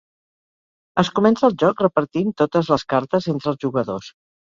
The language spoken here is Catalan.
Es comença el joc repartint totes les cartes entre els jugadors.